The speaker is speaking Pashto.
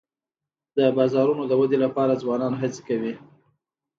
د بازارونو د ودي لپاره ځوانان هڅي کوي.